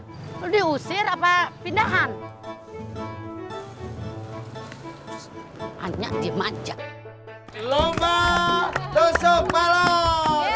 hai lebih usir apa pindahan hanya dimanjak lomba dosok balok